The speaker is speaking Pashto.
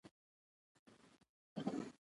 اداري خپلواکي د فشار پر وړاندې خوندي پاتې کېږي